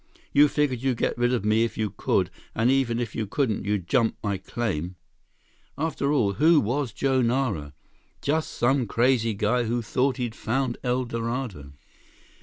You figured you'd get rid of me if you could, and even if you couldn't you'd jump my claim. After all, who was Joe Nara? Just some crazy guy who thought he'd found El Dorado.